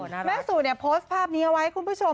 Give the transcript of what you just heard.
แม่สุโพสต์ภาพนี้เอาไว้ให้คุณผู้ชม